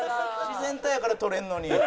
自然体やから撮れるのに。